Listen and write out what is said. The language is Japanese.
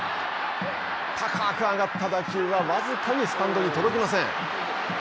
高く上がった打球は、僅かにスタンドに届きません。